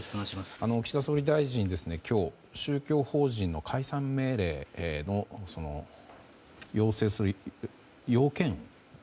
岸田総理大臣、今日宗教法人への解散命令を要請する要件